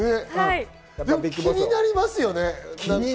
気になりますよね。